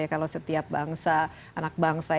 kalau setiap bangsa anak bangsa